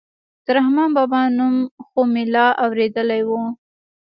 د رحمان بابا نوم خو مې لا اورېدلى و.